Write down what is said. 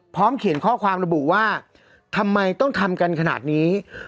เขียนข้อความระบุว่าทำไมต้องทำกันขนาดนี้